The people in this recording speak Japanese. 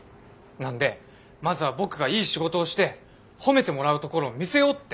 なんでまずは僕がいい仕事をして褒めてもらうところを見せようって。